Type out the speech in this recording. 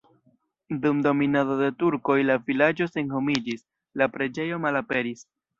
Dum dominado de turkoj la vilaĝo senhomiĝis, la preĝejo malaperis.